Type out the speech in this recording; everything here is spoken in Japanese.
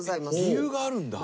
理由があるんだ。